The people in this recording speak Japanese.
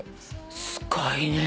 すごいね。